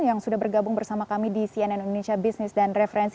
yang sudah bergabung bersama kami di cnn indonesia business dan referensi